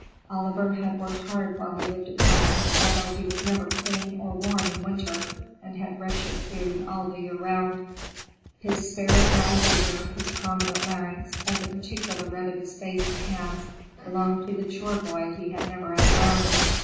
Oliver had worked hard while he lived at home, although he was never clean or warm in winter and had wretched food all the year round. His spare, dry figure, his prominent larynx, and the peculiar red of his face and hands belonged to the choreboy he had never outgrown.